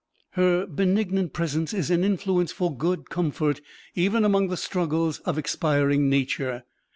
Her benignant presence is an influence for good comfort even among the struggles of expiring nature.